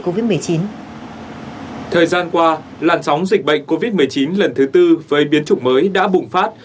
covid một mươi chín thời gian qua làn sóng dịch bệnh covid một mươi chín lần thứ tư với biến chủng mới đã bùng phát